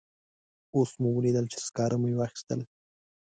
اوس مو ولیدل چې سکاره مې واخیستل.